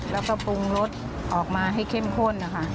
แล้วก็ปรุงรสออกมาให้เข้มข้นนะคะ